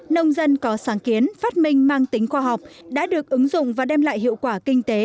nông dân có sáng kiến phát minh mang tính khoa học đã được ứng dụng và đem lại hiệu quả kinh tế